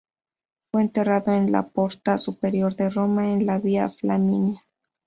Fue enterrado en la Porta Superior de Roma, en la Via Flaminia.